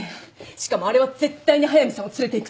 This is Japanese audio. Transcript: しかもあれは絶対に速見さんを連れていくつもりね。